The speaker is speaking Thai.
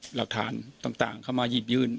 หลักฐานต่างเข้ามาหยิบยื่น